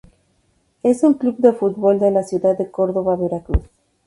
Es un club de fútbol de la ciudad de Córdoba, Veracruz.